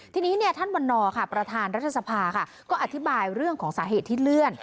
ทีนี้ท่านวันนอร์ค่ะประธานรัฐสภาค่ะก็อธิบายเรื่องของสาเหตุที่เลื่อน